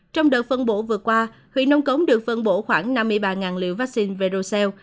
trong đợt phân bổ vừa qua huyện nông cống được phân bổ khoảng năm mươi ba liều vaccine verocel